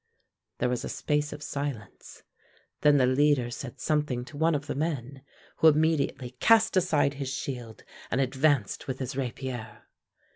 There was a space of silence. Then the leader said something to one of the men, who immediately cast aside his shield and advanced with his rapier.